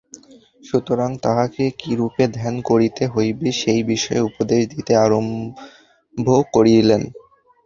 সুতরাং তাঁহাকে কিরূপে ধ্যান করিতে হইবে, সেই বিষয়ে উপদেশ দিতে আরম্ভ করিলেন।